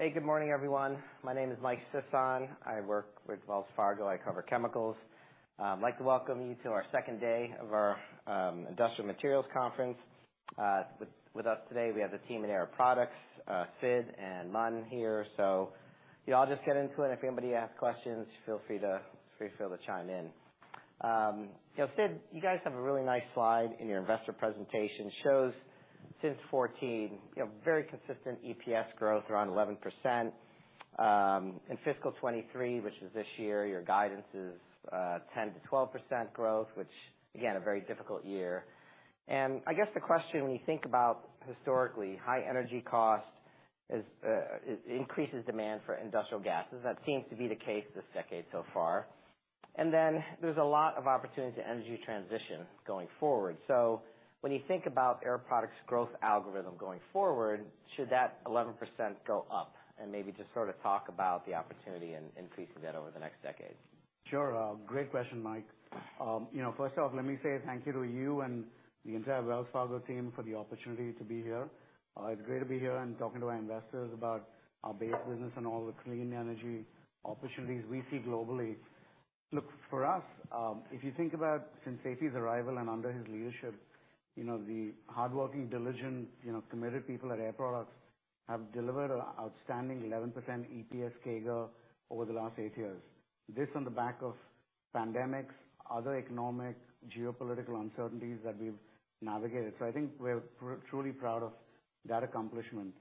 Hey, good morning, everyone. My name is Mike Sison. I work with Wells Fargo. I cover chemicals. I'd like to welcome you to our second day of our Industrial Materials Conference. With us today, we have the team in Air Products, Sidd and Mann here. Yeah, I'll just get into it. If anybody has questions, feel free to chime in. You know, Sidd, you guys have a really nice slide in your investor presentation. Shows since 2014, you know, very consistent EPS growth, around 11%. In fiscal 2023, which is this year, your guidance is 10%-12% growth, which again, a very difficult year. I guess the question when you think about historically, high energy costs is, increases demand for industrial gases. That seems to be the case this decade so far. There's a lot of opportunity to energy transition going forward. When you think about Air Products' growth algorithm going forward, should that 11% go up? Maybe just sort of talk about the opportunity and increasing that over the next decade. Sure. Great question, Mike. You know, first off, let me say thank you to you and the entire Wells Fargo team for the opportunity to be here. It's great to be here and talking to our investors about our base business and all the clean energy opportunities we see globally. Look for us, if you think about since Seifi's arrival and under his leadership, you know, the hardworking, diligent, you know, committed people at Air Products have delivered an outstanding 11% EPS CAGR over the last 8 years. This on the back of pandemics, other economic, geopolitical uncertainties that we've navigated. I think we're truly proud of that accomplishment.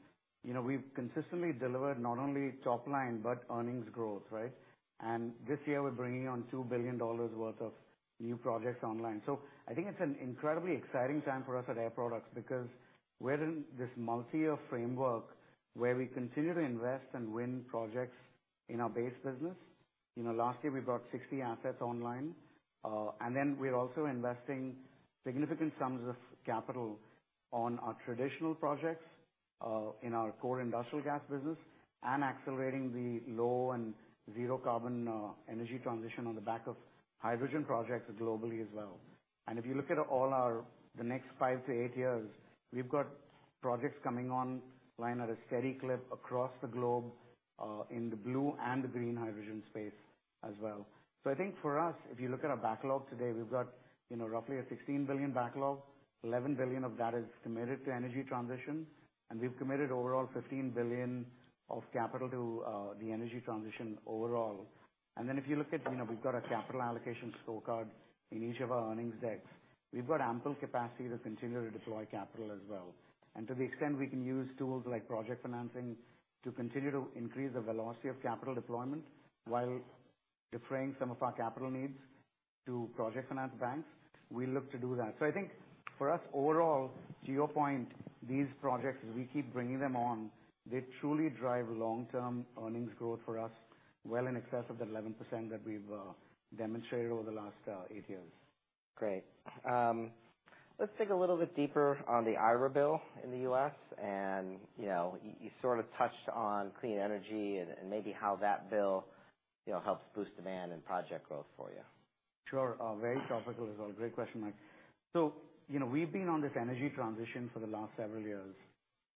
You know, we've consistently delivered not only top line, but earnings growth, right? This year, we're bringing on $2 billion worth of new projects online. I think it's an incredibly exciting time for us at Air Products because we're in this multi-year framework where we continue to invest and win projects in our base business. You know, last year we brought 60 assets online. Then we're also investing significant sums of capital on our traditional projects in our core industrial gas business and accelerating the low and zero carbon energy transition on the back of hydrogen projects globally as well. If you look at all our, the next 5-8 years, we've got projects coming online at a steady clip across the globe in the blue and the green hydrogen space as well. I think for us, if you look at our backlog today, we've got, you know, roughly a $16 billion backlog. $11 billion of that is committed to energy transition. We've committed overall $15 billion of capital to the energy transition overall. If you look at, you know, we've got a capital allocation scorecard in each of our earnings decks. We've got ample capacity to continue to deploy capital as well. To the extent we can use tools like project financing to continue to increase the velocity of capital deployment while deferring some of our capital needs to project finance banks, we look to do that. I think for us, overall, to your point, these projects, we keep bringing them on, they truly drive long-term earnings growth for us, well in excess of the 11% that we've demonstrated over the last eight years. Great. Let's dig a little bit deeper on the IRA Bill in the U.S., and, you know, you sort of touched on clean energy and maybe how that bill, you know, helps boost demand and project growth for you. Sure. Very topical as well. Great question, Mike. You know, we've been on this energy transition for the last several years,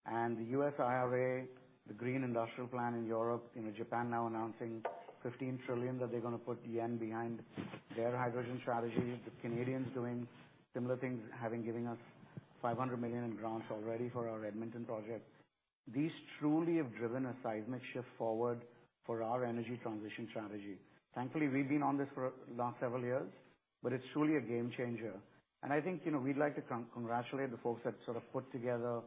and the U.S. IRA, the Green Deal Industrial Plan in Europe, you know, Japan now announcing 15 trillion, that they're gonna put yen behind their hydrogen strategy. The Canadians doing similar things, having given us 500 million in grants already for our Edmonton project. These truly have driven a seismic shift forward for our energy transition strategy. Thankfully, we've been on this for the last several years, but it's truly a game changer. I think, you know, we'd like to congratulate the folks that sort of put together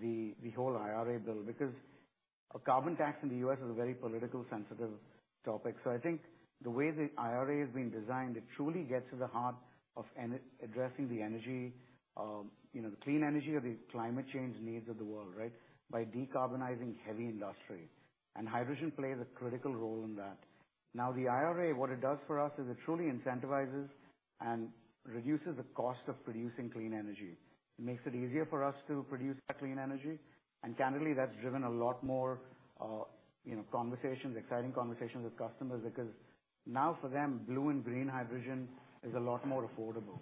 the whole IRA bill, because a carbon tax in the U.S. is a very political, sensitive topic. I think the way the IRA has been designed, it truly gets to the heart of addressing the energy, you know, the clean energy or the climate change needs of the world. By decarbonizing heavy industry. Hydrogen plays a critical role in that. The IRA, what it does for us, is it truly incentivizes and reduces the cost of producing clean energy. It makes it easier for us to produce that clean energy, and candidly, that's driven a lot more, you know, conversations, exciting conversations with customers, because now for them, blue and green hydrogen is a lot more affordable.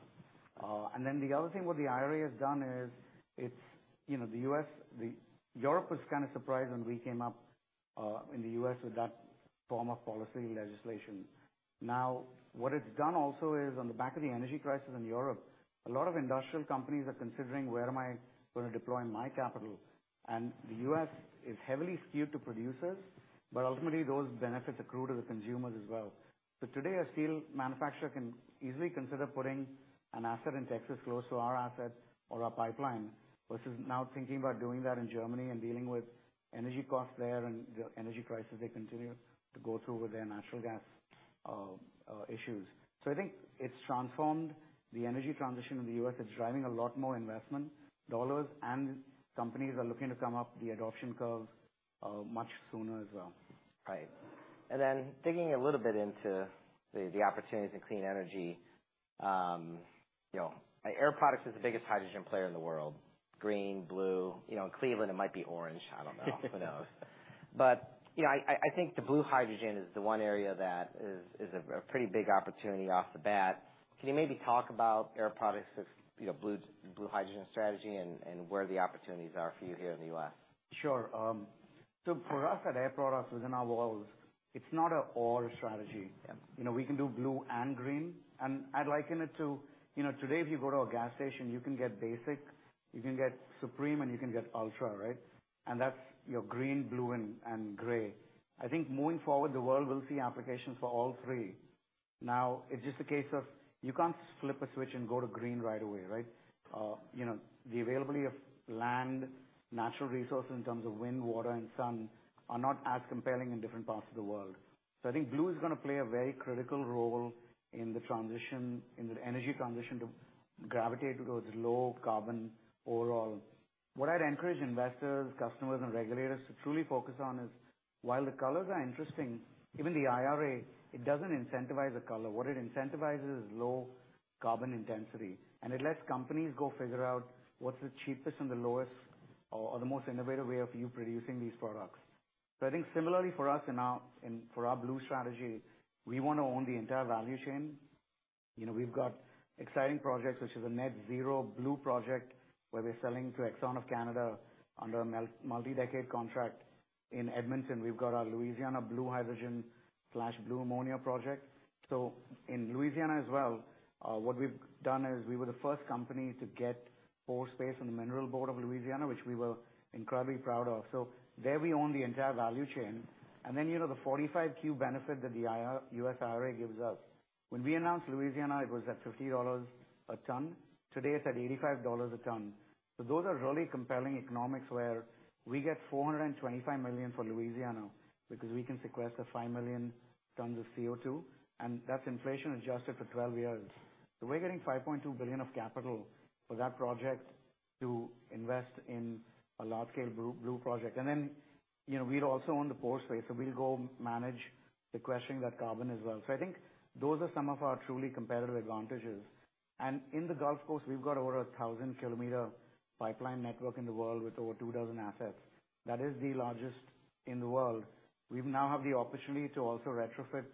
The other thing what the IRA has done is, it's. You know, the U.S. Europe was kind of surprised when we came up in the U.S., with that form of policy legislation. What it's done also is on the back of the energy crisis in Europe, a lot of industrial companies are considering: Where am I gonna deploy my capital? The U.S. is heavily skewed to producers, but ultimately, those benefits accrue to the consumers as well. Today, a steel manufacturer can easily consider putting an asset in Texas close to our asset or our pipeline, versus now thinking about doing that in Germany and dealing with energy costs there and the energy crisis they continue to go through with their natural gas issues. I think it's transformed the energy transition in the U.S. It's driving a lot more investment, dollars, and companies are looking to come up the adoption curve much sooner as well. Right. Digging a little bit into the opportunities in clean energy. You know, Air Products is the biggest hydrogen player in the world. Green, blue, you know, in Cleveland, it might be orange. I don't know. Who knows? Yeah, I think the blue hydrogen is a pretty big opportunity off the bat. Can you maybe talk about Air Product's, you know, blue hydrogen strategy and where the opportunities are for you here in the U.S.? Sure. For us at Air Products, within our walls, it's not an or strategy. Yeah. We can do blue and green, I'd liken it to, you know, today, if you go to a gas station, you can get basic, you can get supreme, and you can get ultra, right? That's your green, blue, and gray. I think moving forward, the world will see applications for all three. Now, it's just a case of you can't flip a switch and go to green right away, right? You know, the availability of land, natural resources in terms of wind, water, and sun are not as compelling in different parts of the world. I think blue is gonna play a very critical role in the transition, in the energy transition, to gravitate towards low carbon overall. What I'd encourage investors, customers, and regulators to truly focus on is, while the colors are interesting, even the IRA, it doesn't incentivize the color. What it incentivizes is low carbon intensity. It lets companies go figure out what's the cheapest and the lowest or the most innovative way of you producing these products. I think similarly for us for our blue strategy, we want to own the entire value chain. You know, we've got exciting projects, which is a net zero blue project, where we're selling to Exxon of Canada under a multidecade contract. In Edmonton, we've got our Louisiana Blue Hydrogen/Blue Ammonia project. In Louisiana as well, what we've done is we were the first company to get pore space from the Mineral Board of Louisiana, which we were incredibly proud of. There we own the entire value chain, you know, the 45Q benefit that the US IRA gives us. When we announced Louisiana, it was at $50 a ton. Today, it's at $85 a ton. Those are really compelling economics where we get $425 million for Louisiana because we can sequester 5 million tons of CO2, and that's inflation adjusted for 12 years. We're getting $5.2 billion of capital for that project to invest in a large-scale blue project. You know, we'd also own the pore space, so we'll go manage sequestering that carbon as well. I think those are some of our truly competitive advantages. In the Gulf Coast, we've got over a 1,000-km pipeline network in the world with over 2 dozen assets. That is the largest in the world. We now have the opportunity to also retrofit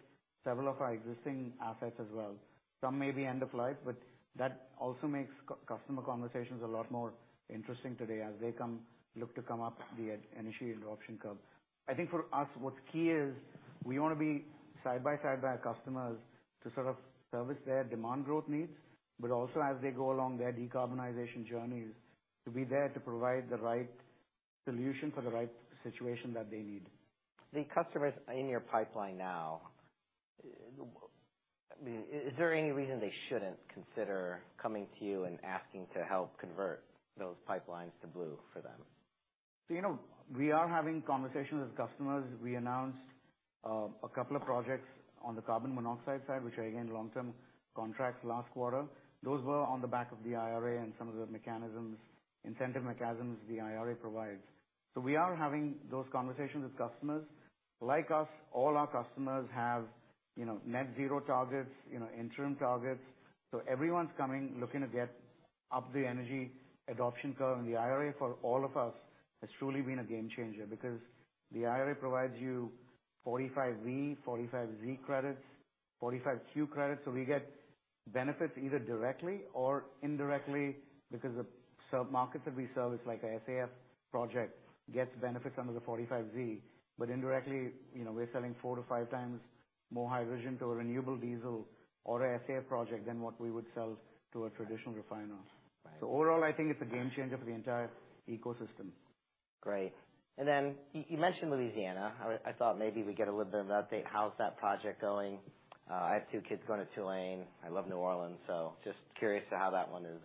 several of our existing assets as well. Some may be end of life, but that also makes customer conversations a lot more interesting today as they look to come up the energy adoption curve. I think for us, what's key is we wanna be side by side by our customers to sort of service their demand growth needs, but also as they go along their decarbonization journeys, to be there to provide the right solution for the right situation that they need. The customers in your pipeline now, I mean, is there any reason they shouldn't consider coming to you and asking to help convert those pipelines to blue for them? You know, we are having conversations with customers. We announced a couple of projects on the carbon monoxide side, which are again, long-term contracts last quarter. Those were on the back of the IRA and some of the mechanisms, incentive mechanisms the IRA provides. We are having those conversations with customers. Like us, all our customers have, you know, net zero targets, you know, interim targets, everyone's coming, looking to get up the energy adoption curve. The IRA, for all of us, has truly been a game changer because the IRA provides you 45V, 45Z credits, 45Q credits. We get benefits either directly or indirectly because the sub markets that we service, like a SAF project, gets benefits under the 45Z. Indirectly, you know, we're selling four to five times more hydrogen to a renewable diesel or a SAF project than what we would sell to a traditional refiner. Right. Overall, I think it's a game changer for the entire ecosystem. Great. Then you mentioned Louisiana. I thought maybe we'd get a little bit of an update. How's that project going? I have two kids going to Tulane. I love New Orleans, so just curious to how that one is,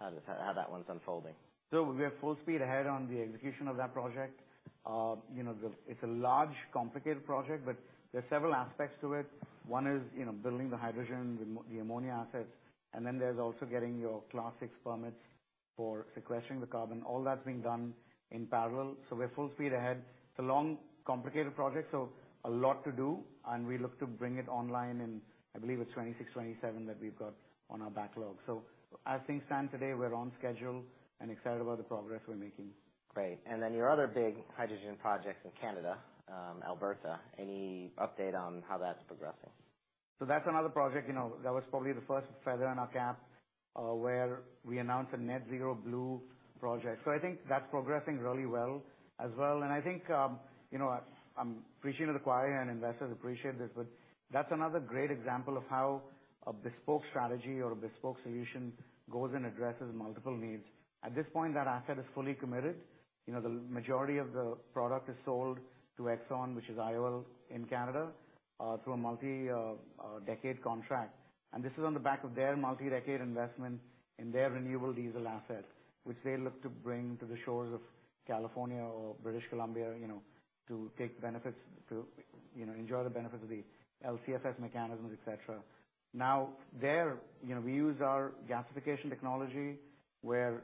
how that one's unfolding. We are full speed ahead on the execution of that project. You know, It's a large, complicated project, but there are several aspects to it. One is, you know, building the hydrogen, the ammonia assets, and then there's also getting your Class VI permits for sequestering the carbon. All that's being done in parallel, so we're full speed ahead. It's a long, complicated project, so a lot to do, and we look to bring it online in, I believe, it's 2026, 2027 that we've got on our backlog. As things stand today, we're on schedule and excited about the progress we're making. Great. Your other big hydrogen project in Canada, Alberta, any update on how that's progressing? That's another project, you know, that was probably the first feather in our cap, where we announced a net zero blue project. I think that's progressing really well as well. I think, you know, I'm appreciative of the choir and investors appreciate this, but that's another great example of how a bespoke strategy or a bespoke solution goes and addresses multiple needs. At this point, that asset is fully committed. You know, the majority of the product is sold to Exxon, which is IOL in Canada, through a multi-decade contract. This is on the back of their multi-decade investment in their renewable diesel assets, which they look to bring to the shores of California or British Columbia, you know, to enjoy the benefits of the LCFS mechanisms, et cetera. Now, there, you know, we use our gasification technology. We're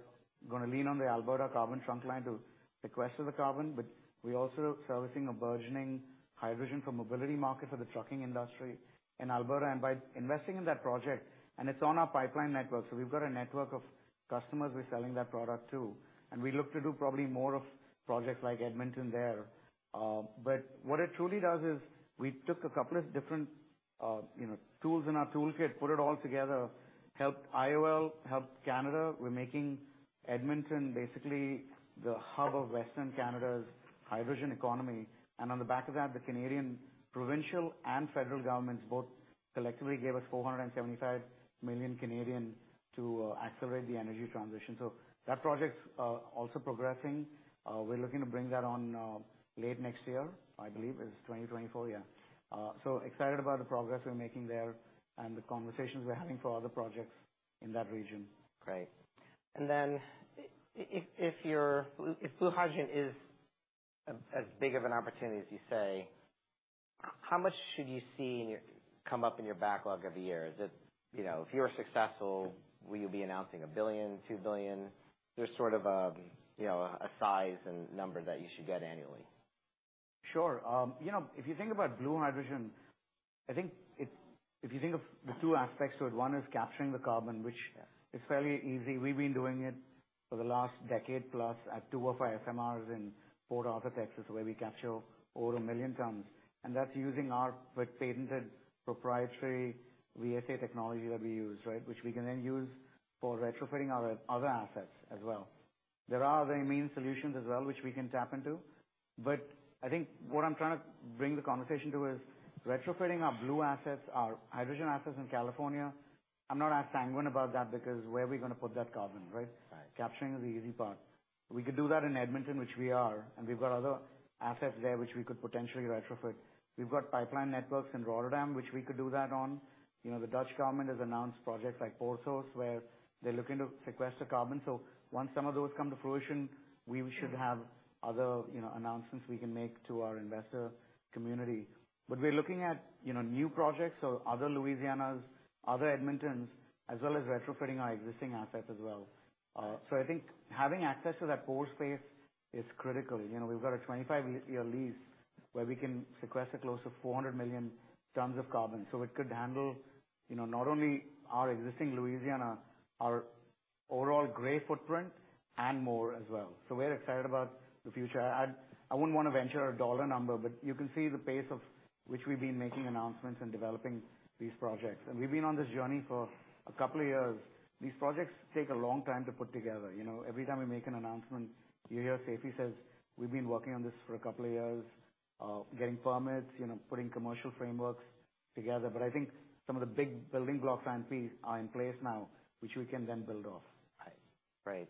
gonna lean on the Alberta carbon trunk line to sequester the carbon, but we're also servicing a burgeoning hydrogen for mobility market, for the trucking industry in Alberta. By investing in that project. It's on our pipeline network, so we've got a network of customers we're selling that product to, and we look to do probably more of projects like Edmonton there. What it truly does is we took a couple of different tools in our toolkit, put it all together, helped IOL, helped Canada. We're making Edmonton basically the hub of Western Canada's hydrogen economy, on the back of that, the Canadian provincial and federal governments both collectively gave us 475 million to accelerate the energy transition. That project's also progressing. We're looking to bring that on, late next year. I believe it's 2024. Excited about the progress we're making there and the conversations we're having for other projects in that region. Great. If blue hydrogen is as big of an opportunity as you say, how much should you see come up in your backlog of the year? Is it, you know, if you are successful, will you be announcing $1 billion, $2 billion? There's sort of a, you know, a size and number that you should get annually. Sure. you know, if you think about blue hydrogen, if you think of the two aspects to it, one is capturing the carbon, which is fairly easy. We've been doing it for the last decade plus at two of our SMRs in Port Arthur, Texas, where we capture over 1 million tons, and that's using our patented proprietary VSA technology that we use, right? Which we can then use for retrofitting our other assets as well. There are other main solutions as well, which we can tap into, but I think what I'm trying to bring the conversation to is retrofitting our blue assets, our hydrogen assets in California, I'm not as sanguine about that, because where are we gonna put that carbon, right? Right. Capturing is the easy part. We could do that in Edmonton, which we are, and we've got other assets there, which we could potentially retrofit. We've got pipeline networks in Rotterdam, which we could do that on. You know, the Dutch government has announced projects like Porthos, where they're looking to sequester carbon. Once some of those come to fruition, we should have other, you know, announcements we can make to our investor community. We're looking at, you know, new projects, so other Louisianas, other Edmontons, as well as retrofitting our existing assets as well. I think having access to that pore space is critical. You know, we've got a 25-year lease where we can sequester close to 400 million tons of carbon, so it could handle, you know, not only our existing Louisiana, our overall gray footprint, and more as well. We're excited about the future. I wouldn't want to venture a dollar number, but you can see the pace of which we've been making announcements and developing these projects. We've been on this journey for a couple of years. These projects take a long time to put together. You know, every time we make an announcement, you hear Seifi says, "We've been working on this for a couple of years," getting permits, you know, putting commercial frameworks together. I think some of the big building blocks, Mike, are in place now, which we can then build off. Right.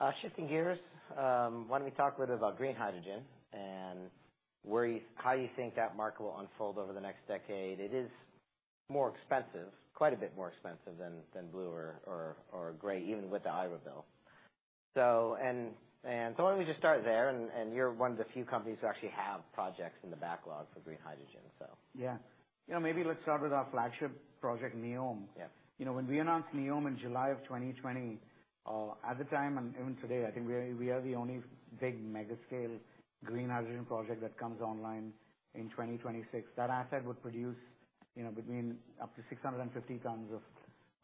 Right. Shifting gears, why don't we talk a little about green hydrogen and how you think that market will unfold over the next decade? It is more expensive, quite a bit more expensive than blue or gray, even with the IRA bill. Why don't we just start there, and you're one of the few companies who actually have projects in the backlog for green hydrogen, so. Yeah. You know, maybe let's start with our flagship Project Neom. Yeah. You know, when we announced Neom in July 2020, at the time, and even today, I think we are the only big mega scale green hydrogen project that comes online in 2026. That asset would produce, you know, between up to 650 tons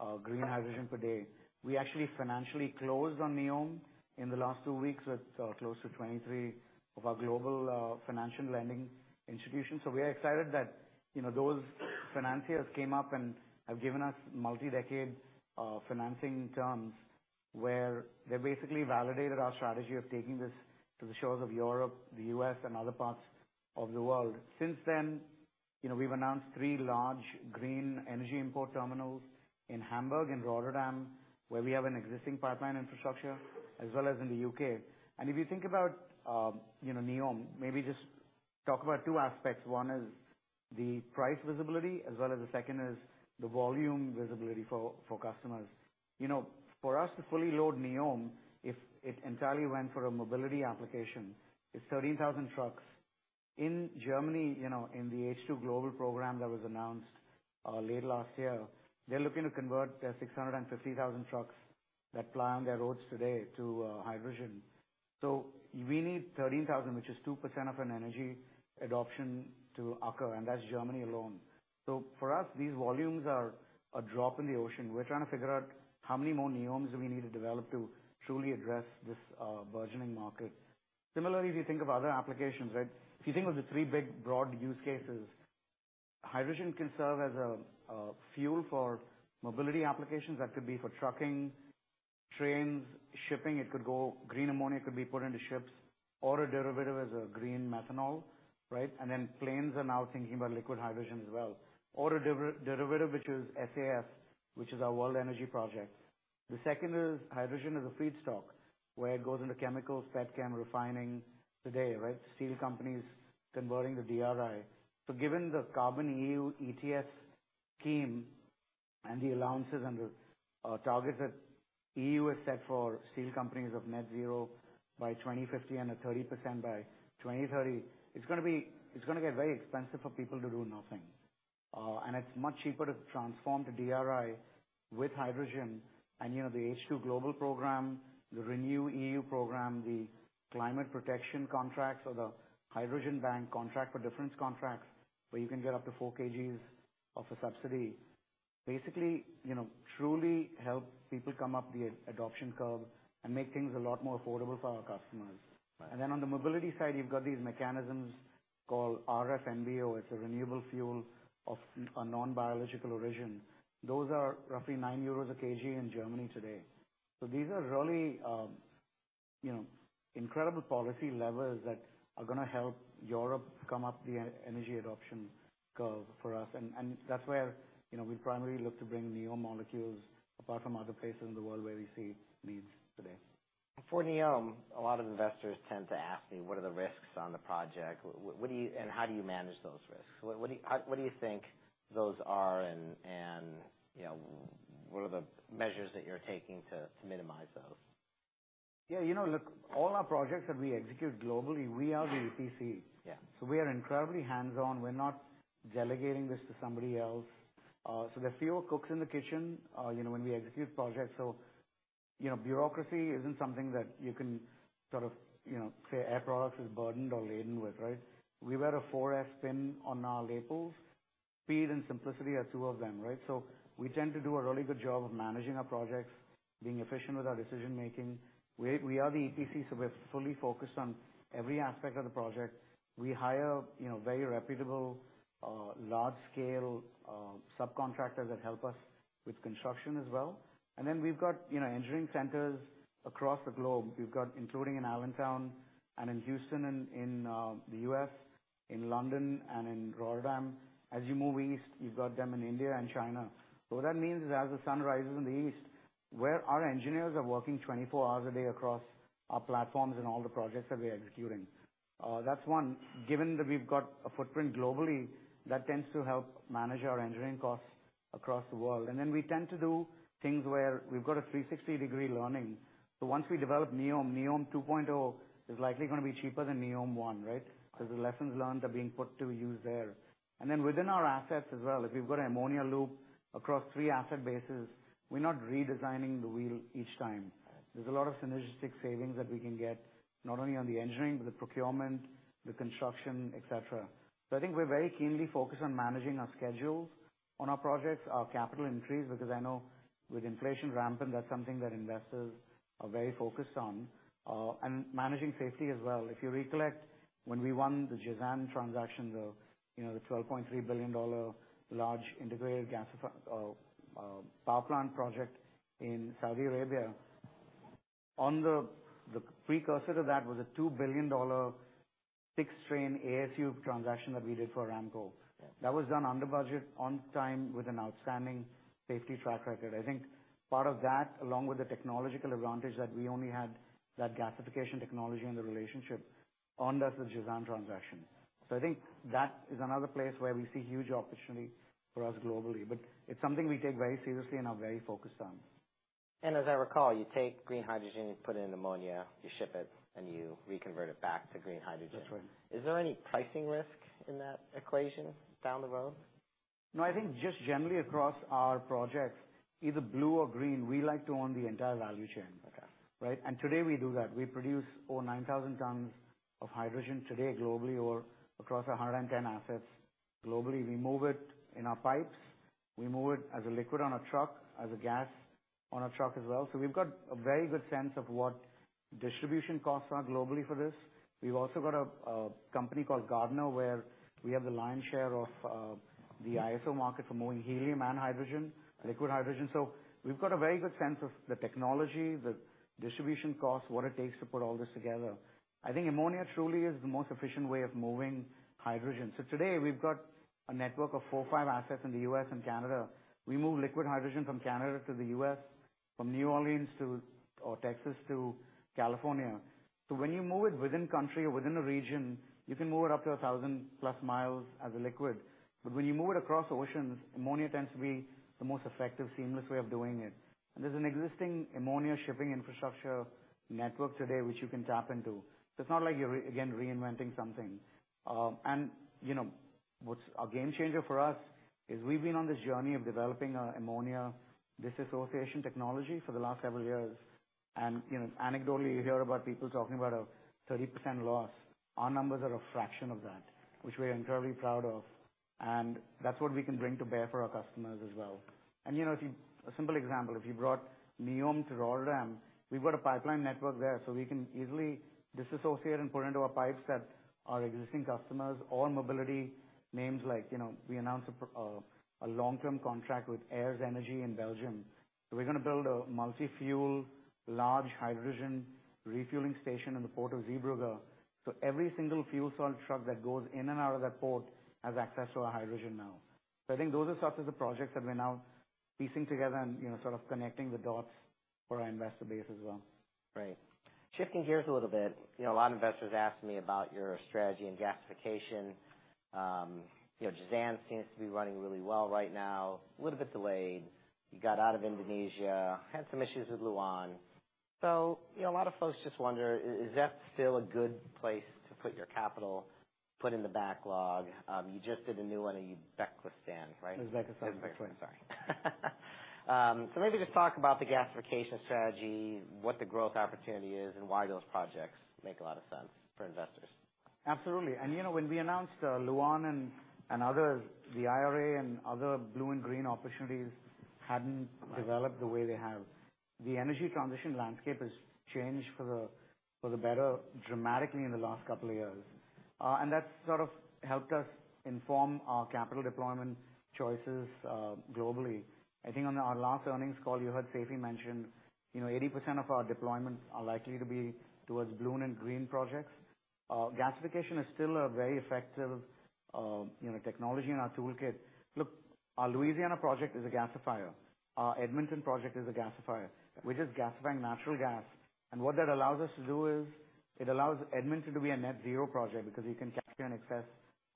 of green hydrogen per day. We actually financially closed on Neom in the last 2 weeks, with close to 23 of our global financial lending institutions. We are excited that, you know, those financiers came up and have given us multi-decade financing terms, where they basically validated our strategy of taking this to the shores of Europe, the US, and other parts of the world. Since then, you know, we've announced 3 large green energy import terminals in Hamburg and Rotterdam, where we have an existing pipeline infrastructure, as well as in the UK. If you think about, you know, Neom, maybe just talk about 2 aspects. One is the price visibility, as well as the second is the volume visibility for customers. You know, for us to fully load Neom, if it entirely went for a mobility application, it's 13,000 trucks. In Germany, you know, in the H2Global program that was announced late last year, they're looking to convert their 650,000 trucks that ply on their roads today to hydrogen. We need 13,000, which is 2% of an energy adoption to occur, and that's Germany alone. For us, these volumes are a drop in the ocean. We're trying to figure out how many more Neoms we need to develop to truly address this burgeoning market. If you think of other applications, right? If you think of the three big, broad use cases, hydrogen can serve as a fuel for mobility applications that could be for trucking, trains, shipping. Green ammonia could be put into ships or a derivative as a green methanol, right? Planes are now thinking about liquid hydrogen as well, or a derivative, which is SAF, which is our World Energy project. The second is hydrogen as a feedstock, where it goes into chemicals, petchem, refining today, right? Steel companies converting to DRI. Given the carbon EU ETS scheme and the allowances and the targets that EU has set for steel companies of net zero by 2050 and a 30% by 2030, it's gonna get very expensive for people to do nothing. It's much cheaper to transform to DRI with hydrogen and, you know, the H2Global program, the REPowerEU program, the Climate Protection Contracts or the Hydrogen Bank Contract for Difference contracts, where you can get up to 4 kgs of a subsidy. Basically, you know, truly help people come up the adoption curve and make things a lot more affordable for our customers. On the mobility side, you've got these mechanisms called RFNBO. It's a renewable fuel of a non-biological origin. Those are roughly 9 euros a kg in Germany today. These are really, you know, incredible policy levers that are gonna help Europe come up the energy adoption curve for us. And that's where, you know, we primarily look to bring Neom molecules apart from other places in the world where we see needs today. For Neom, a lot of investors tend to ask me, what are the risks on the project? How do you manage those risks? How, what do you think those are and, you know, what are the measures that you're taking to minimize those? Yeah, you know, look, all our projects that we execute globally, we are the EPC. Yeah. We are incredibly hands-on. We're not delegating this to somebody else. There are fewer cooks in the kitchen, you know, when we execute projects. You know, bureaucracy isn't something that you can sort of, you know, say Air Products is burdened or laden with, right? We wear a four F pin on our labels. Speed and simplicity are two of them, right? We tend to do a really good job of managing our projects, being efficient with our decision making. We are the EPC, so we're fully focused on every aspect of the project. We hire, you know, very reputable, large scale, subcontractors that help us with construction as well. We've got, you know, engineering centers across the globe. We've got including in Allentown and in Houston and in the U.S., in London and in Rotterdam. As you move east, you've got them in India and China. What that means is, as the sun rises in the east, where our engineers are working 24 hours a day across our platforms and all the projects that we are executing, that's. Given that we've got a footprint globally, that tends to help manage our engineering costs across the world. Then we tend to do things where we've got a three sixty degree learning. Once we develop Neom 2.0 is likely gonna be cheaper than Neom 1, right? Right. The lessons learned are being put to use there. Within our assets as well, if we've got an ammonia loop across three asset bases, we're not redesigning the wheel each time. Right. There's a lot of synergistic savings that we can get, not only on the engineering, but the procurement, the construction, et cetera. I think we're very keenly focused on managing our schedules on our projects, our capital increase, because I know with inflation rampant, that's something that investors are very focused on, and managing safety as well. If you recollect, when we won the Jazan transaction, the, you know, the $12.3 billion large integrated gas power plant project in Saudi Arabia, the precursor to that was a $2 billion 6-train ASU transaction that we did for Aramco. Yeah. That was done under budget, on time, with an outstanding safety track record. I think part of that, along with the technological advantage, that we only had that gasification technology and the relationship earned us the Jazan transaction. I think that is another place where we see huge opportunity for us globally, but it's something we take very seriously and are very focused on. As I recall, you take green hydrogen, you put it in ammonia, you ship it, and you reconvert it back to green hydrogen. That's right. Is there any pricing risk in that equation down the road? I think just generally across our projects, either blue or green, we like to own the entire value chain. Okay. Right? Today we do that. We produce over 9,000 tons of hydrogen today globally or across our 110 assets globally. We move it in our pipes. We move it as a liquid on a truck, as a gas on a truck as well. We've got a very good sense of what distribution costs are globally for this. We've also got a company called Gardner, where we have the lion's share of the ISO market for moving helium and hydrogen, liquid hydrogen. We've got a very good sense of the technology, the distribution costs, what it takes to put all this together. I think ammonia truly is the most efficient way of moving hydrogen. Today, we've got a network of four, five assets in the U.S. and Canada. We move liquid hydrogen from Canada to the U.S., from New Orleans to Texas to California. When you move it within country or within a region, you can move it up to 1,000+ miles as a liquid. When you move it across oceans, ammonia tends to be the most effective, seamless way of doing it. There's an existing ammonia shipping infrastructure network today, which you can tap into. It's not like you're, again, reinventing something. You know, what's a game changer for us, is we've been on this journey of developing our ammonia dissociation technology for the last several years. You know, anecdotally, you hear about people talking about a 30% loss. Our numbers are a fraction of that, which we are incredibly proud of, and that's what we can bring to bear for our customers as well. You know, if you A simple example, if you brought Neom to Rotterdam, we've got a pipeline network there, so we can easily disassociate and put into our pipes that our existing customers, all mobility names like, you know, we announced a long-term contract with Aers Energy België in Belgium. We're gonna build a multi-fuel, large hydrogen refueling station in the port of Zeebrugge. Every single fuel cell truck that goes in and out of that port has access to our hydrogen now. I think those are sorts of the projects that we're now piecing together and, you know, sort of connecting the dots for our investor base as well. Great. Shifting gears a little bit, you know, a lot of investors ask me about your strategy in gasification. You know, Jazan seems to be running really well right now, a little bit delayed. You got out of Indonesia, had some issues with Lu'an. You know, a lot of folks just wonder, is that still a good place to put your capital, put in the backlog? You just did a new one in Uzbekistan, right? Uzbekistan. Uzbekistan, sorry. Maybe just talk about the gasification strategy, what the growth opportunity is, and why those projects make a lot of sense for investors. Absolutely. You know, when we announced Lu'an and other, the IRA and other blue and green opportunities hadn't developed the way they have. The energy transition landscape has changed for the better dramatically in the last couple of years. That's sort of helped us inform our capital deployment choices globally. I think on our last earnings call, you heard Seifi mention, you know, 80% of our deployments are likely to be towards blue and green projects. Gasification is still a very effective, you know, technology in our toolkit. Look, our Louisiana project is a gasifier. Our Edmonton project is a gasifier, which is gasifying natural gas. What that allows us to do is, it allows Edmonton to be a net zero project, because you can capture in excess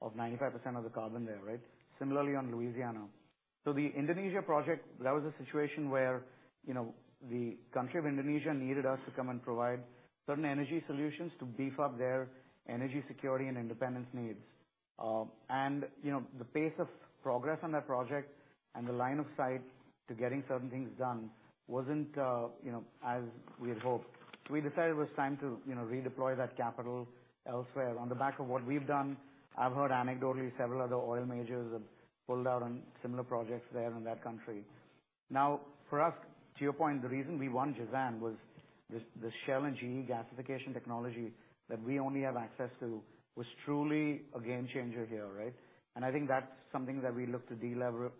of 95% of the carbon there, right? Similarly, on Louisiana. The Indonesia project, that was a situation where, you know, the country of Indonesia needed us to come and provide certain energy solutions to beef up their energy security and independence needs. You know, the pace of progress on that project and the line of sight to getting certain things done wasn't, you know, as we had hoped. We decided it was time to, you know, redeploy that capital elsewhere. On the back of what we've done, I've heard anecdotally several other oil majors have pulled out on similar projects there in that country. Now, for us, to your point, the reason we won Jazan was this, the Shell and GE gasification technology that we only have access to, was truly a game changer here, right? I think that's something that we look to delever,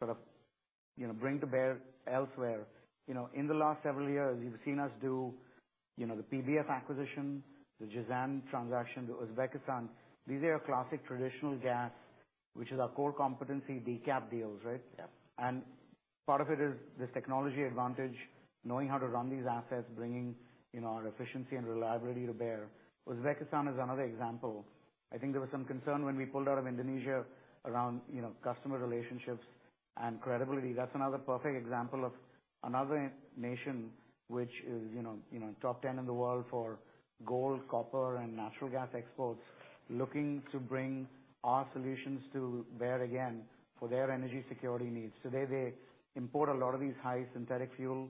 sort of, you know, bring to bear elsewhere. You know, in the last several years, you've seen us do, you know, the PBF acquisition, the Jazan transaction, the Uzbekistan. These are classic traditional gas, which is our core competency, decaf deals, right? Yeah. Part of it is this technology advantage, knowing how to run these assets, bringing, you know, our efficiency and reliability to bear. Uzbekistan is another example. I think there was some concern when we pulled out of Indonesia around, you know, customer relationships and credibility. That's another perfect example of another nation which is, you know, top 10 in the world for gold, copper, and natural gas exports, looking to bring our solutions to bear again, for their energy security needs. Today, they import a lot of these high synthetic fuel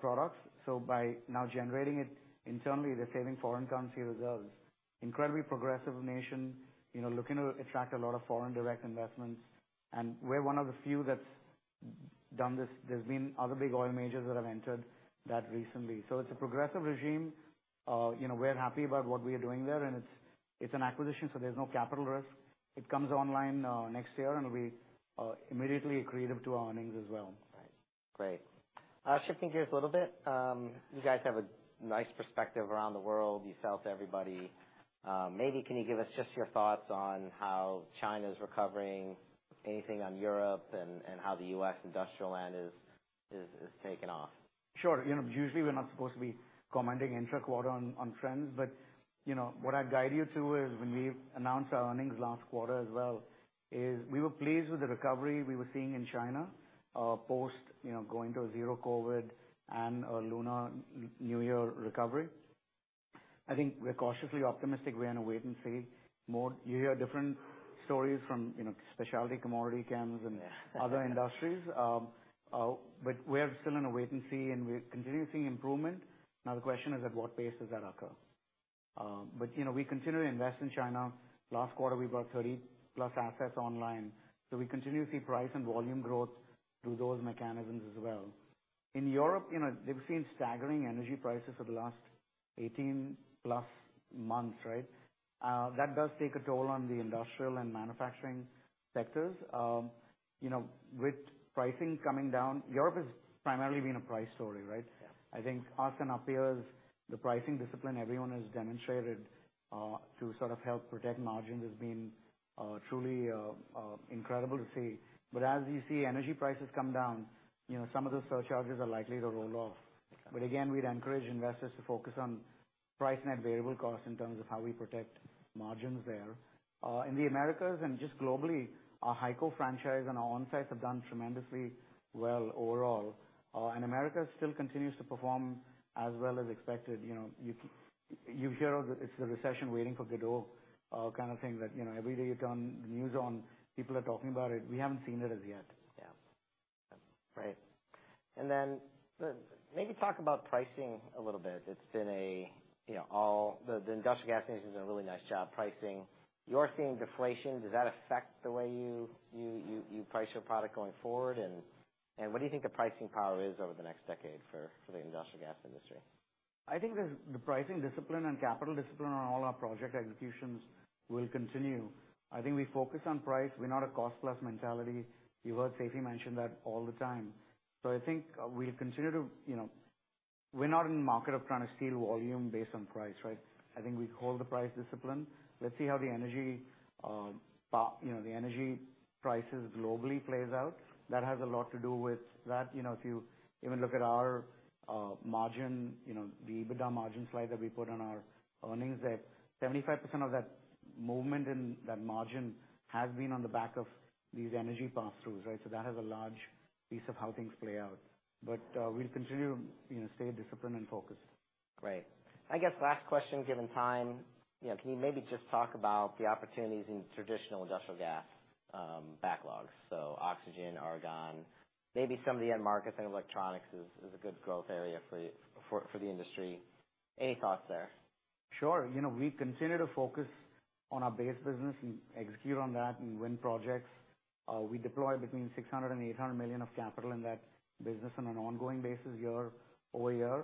products. By now generating it internally, they're saving foreign currency reserves. Incredibly progressive nation, you know, looking to attract a lot of foreign direct investments, and we're one of the few that's done this. There's been other big oil majors that have entered that recently. It's a progressive regime. you know, we're happy about what we are doing there, and it's an acquisition, so there's no capital risk. It comes online next year, and we immediately accretive to our earnings as well. Right. Great. Shifting gears a little bit, you guys have a nice perspective around the world. You sell to everybody. Maybe can you give us just your thoughts on how China's recovering, anything on Europe, and how the U.S. industrial land is taking off? Sure. You know, usually we're not supposed to be commenting intra-quarter on trends, but, you know, what I'd guide you to is when we announced our earnings last quarter as well, is we were pleased with the recovery we were seeing in China, post, you know, going to a zero COVID and a Lunar New Year recovery. I think we're cautiously optimistic. We're on a wait and see. You hear different stories from, you know, specialty commodity camps. Yeah. Other industries, we're still in a wait and see, and we're continuing to see improvement. Now, the question is, at what pace does that occur? You know, we continue to invest in China. Last quarter, we brought 30 plus assets online. We continue to see price and volume growth through those mechanisms as well. In Europe, you know, they've seen staggering energy prices for the last 18 plus months, right? That does take a toll on the industrial and manufacturing sectors. You know, with pricing coming down, Europe has primarily been a price story, right? Yeah. I think us and our peers, the pricing discipline everyone has demonstrated, to sort of help protect margins has been truly incredible to see. As you see energy prices come down, you know, some of the surcharges are likely to roll off. Again, we'd encourage investors to focus on price and variable costs in terms of how we protect margins there. In the Americas and just globally, our HyCO franchise and our onsites have done tremendously well overall. America still continues to perform as well as expected. You know, you hear it's the recession waiting for the door, kind of thing, that, you know, every day you turn the news on, people are talking about it. We haven't seen it as yet. Yeah. Right. Maybe talk about pricing a little bit. It's been a, you know, the industrial gas station has done a really nice job pricing. You're seeing deflation. Does that affect the way you price your product going forward? What do you think the pricing power is over the next decade for the industrial gas industry? I think the pricing discipline and capital discipline on all our project executions will continue. I think we focus on price. We're not a cost plus mentality. You heard Seifi mention that all the time. I think we continue to, you know. We're not in the market of trying to steal volume based on price, right? I think we hold the price discipline. Let's see how the energy, you know, the energy prices globally plays out. That has a lot to do with that. You know, if you even look at our margin, you know, the EBITDA margin slide that we put on our earnings there, 75% of that movement in that margin has been on the back of these energy pass-throughs, right? That has a large piece of how things play out. We'll continue, you know, stay disciplined and focused. Great. I guess last question, given time, you know, can you maybe just talk about the opportunities in traditional industrial gas backlogs, so oxygen, argon, maybe some of the end markets and electronics is a good growth area for the industry? Any thoughts there? Sure. You know, we continue to focus on our base business and execute on that and win projects. We deploy between $600 million-$800 million of capital in that business on an ongoing basis year-over-year.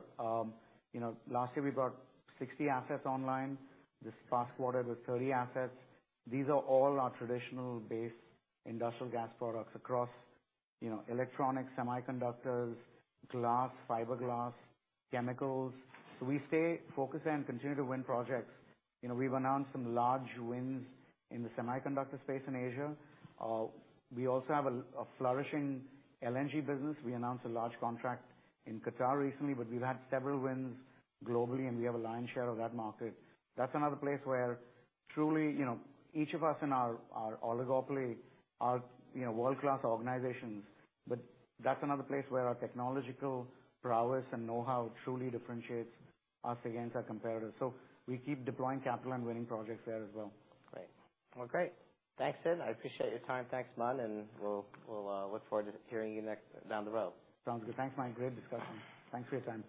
You know, last year we brought 60 assets online. This past quarter, was 30 assets. These are all our traditional base industrial gas products across, you know, electronics, semiconductors, glass, fiberglass, chemicals. We stay focused there and continue to win projects. You know, we've announced some large wins in the semiconductor space in Asia. We also have a flourishing LNG business. We announced a large contract in Qatar recently, but we've had several wins globally, and we have a lion's share of that market. That's another place where truly, you know, each of us in our oligopoly are, you know, world-class organizations. That's another place where our technological prowess and know-how truly differentiates us against our competitors. We keep deploying capital and winning projects there as well. Great. Well, great. Thanks, Sidd. I appreciate your time. Thanks, Mann. We'll look forward to hearing you next down the road. Sounds good. Thanks, Mike. Great discussion. Thanks for your time.